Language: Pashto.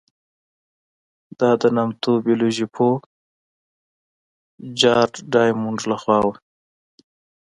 دا د نامتو بیولوژي پوه جارېډ ډایمونډ له خوا وه.